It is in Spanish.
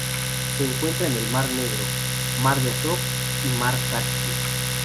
Se encuentra en el mar Negro, mar de Azov y mar Caspio.